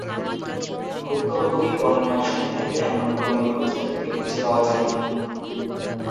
ভুক্তভোগীর বর্ণনার সাথে মেলে এমন কোনও নিখোঁজ ব্যক্তিকে খুঁজে পাওয়া যায়নি।